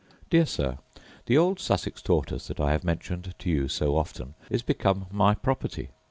Dear Sir, The old Sussex tortoise, that I have mentioned to you so often, is become my property.